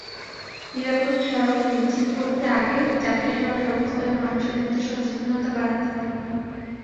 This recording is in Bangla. নিরাপদ সড়ক নিশ্চিত করতে আগে যাত্রীসহ সর্বস্তরের মানুষের মধ্যে সচেতনতা বাড়াতে হবে।